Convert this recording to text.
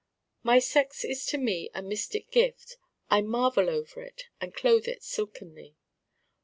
My sex is to me a mystic gift. I marvel over it and clothe it silkenly.